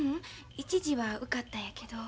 １次は受かったんやけど。